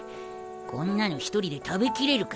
こんなの一人で食べきれるかよ。